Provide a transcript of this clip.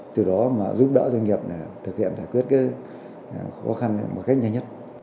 từ đó mà giúp đỡ doanh nghiệp thực hiện giải quyết khó khăn một cách nhanh nhất